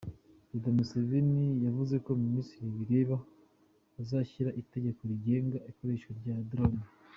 Perezida Museveni yavuze ko Minisitiri bireba azashyira itegeko rigenga ikoreshwa rya drone.